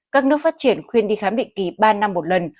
các nước phát triển khuyên đi khám định kỳ ba năm một lần